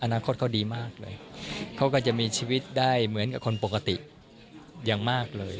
อนาคตเขาดีมากเลยเขาก็จะมีชีวิตได้เหมือนกับคนปกติอย่างมากเลย